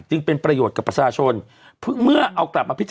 มันเยอะ